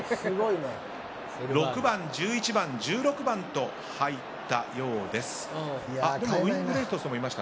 ６番、１１番、１６番と入ったようです。